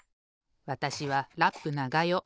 わたしはラップながよ。